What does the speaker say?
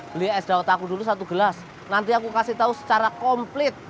beli es daun taku dulu satu gelas nanti aku kasih tau secara komplit